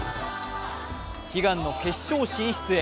悲願の決勝進出へ。